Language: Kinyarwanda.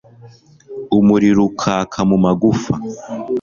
umuriro ukaka mu magufa